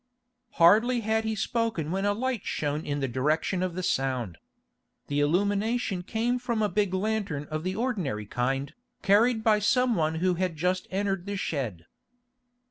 Hardly had he spoken when a light shone in the direction of the sound. The illumination came from a big lantern of the ordinary kind, carried by some one who had just entered the shed.